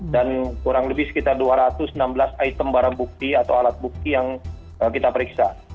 dan kurang lebih sekitar dua ratus enam belas item barang bukti atau alat bukti yang kita periksa